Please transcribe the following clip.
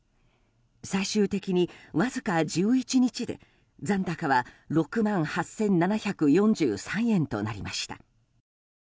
最終的に、わずか１１日で残高は６万８７４３円となりました。